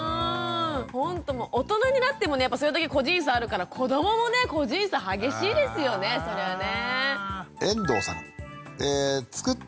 ほんともう大人になってもねやっぱそれだけ個人差あるから子どももね個人差激しいですよねそれはね。